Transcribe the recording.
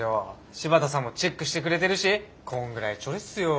柴田さんもチェックしてくれてるしこんぐらいチョレーっすよ。